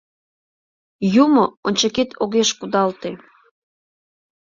Юмо ончыкет огеш кудалте.